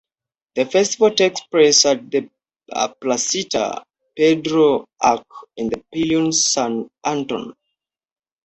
The festival takes place at Placita Pedro Arce in Barrio San Anton.